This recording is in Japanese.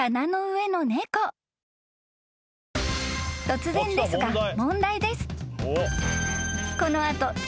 ［突然ですが問題です］